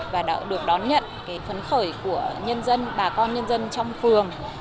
và đã được đón nhận cái phấn khởi của nhân dân bà con nhân dân trong phường